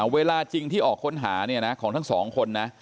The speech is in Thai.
เวลาจริงที่ออกค้นหาเนี่ยนะของทั้งสองคนนะ